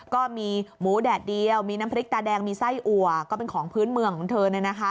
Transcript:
ก็มีหมูแดดเดียวมีน้ำพริกตาแดงมีไส้อัวก็เป็นของพื้นเมืองของเธอ